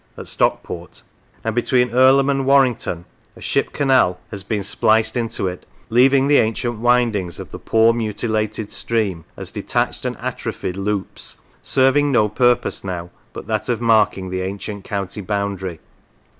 at Stockport; and H Boundaries between Irlam and Warrington a Ship Canal has been spliced into it, leaving the ancient windings of the poor mutilated stream as detached and atrophied loops, serving no purpose now but that of marking the ancient county boundary.